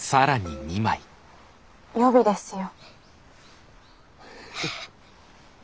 予備ですよ。